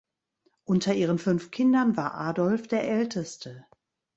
Unter ihren fünf Kindern war Adolf der Älteste.